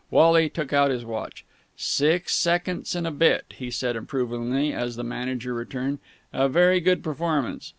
Wally took out his watch. "Six seconds and a bit," he said approvingly, as the manager returned. "A very good performance.